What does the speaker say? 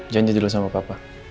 jangan jadilah sama papa